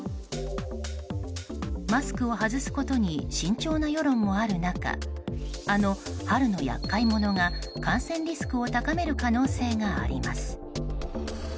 マスクを外すことに慎重な世論もある中あの春の厄介者が感染リスクを高める可能性があります。